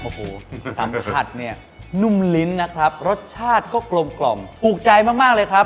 โอ้โหสัมผัสเนี่ยนุ่มลิ้นนะครับรสชาติก็กลมกล่อมถูกใจมากมากเลยครับ